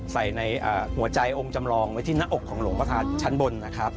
ใส่ในหัวใจองค์จำลองไว้ที่หน้าอกของหลวงประทัดชั้นบนนะครับ